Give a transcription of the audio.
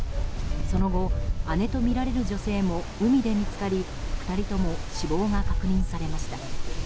その後、姉とみられる女性も海で見つかり２人とも死亡が確認されました。